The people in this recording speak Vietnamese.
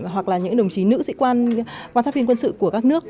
hoặc là những đồng chí nữ sĩ quan quan sát viên quân sự của các nước